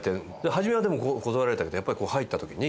初めはでも断られたけどやっぱり入った時に。